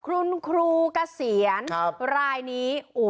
คุณครูเกษียณร้ายนี้ครับ